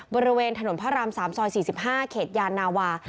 บริเวณถนนพระราม๓ซอย๔๕เขตยานนาวา